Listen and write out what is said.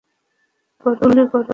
গুলি করো ওটাকে!